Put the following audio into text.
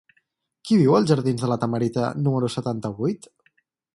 Qui viu als jardins de La Tamarita número setanta-vuit?